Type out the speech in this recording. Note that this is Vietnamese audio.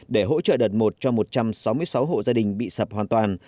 để hỗ trợ đợt một cho một trăm sáu mươi sáu hộ gia đình bị sập hoàn toàn